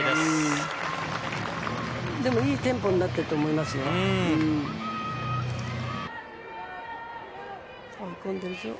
でも、いいテンポになっていると思いますよ。